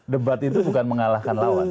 debat itu bukan mengalahkan lawan